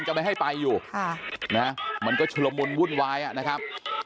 จะไม่ให้ไปอยู่มันก็ชุลมุนวุ่นวายนะครับ